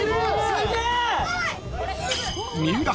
すげえ！